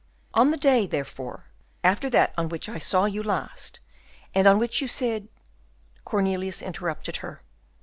On the day, therefore, after that on which I saw you last, and on which you said " Cornelius interrupted her.